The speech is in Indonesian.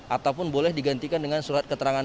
ataupun boleh digantikan dengan surat keterangan